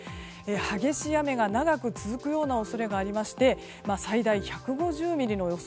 激しい雨が長く続くような恐れがありまして最大１５０ミリの予想